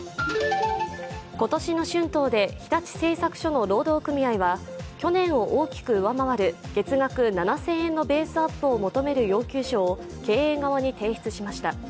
今年の春闘で、日立製作所の労働組合は去年を大きく上回る月額７０００円のベースアップを求める要求書を経営側に提出しました。